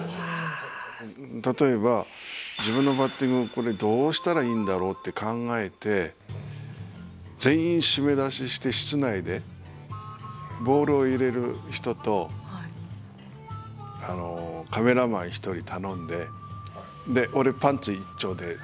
例えば自分のバッティングこれどうしたらいいんだろうって考えて全員閉め出しして室内でボールを入れる人とカメラマン１人頼んで俺パンツ一丁で。